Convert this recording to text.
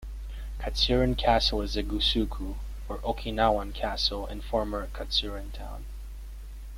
Katsuren Castle is a gusuku, or Okinawan castle, in former Katsuren Town.